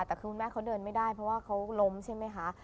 แต่คือคุณแม่เขาเดินไม่ได้เพราะว่าเขาล้มใช่ไหมคะ